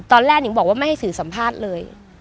ตอนแรกหนึ่งบอกว่าไม่ให้สื่อสัมภาษณ์เลย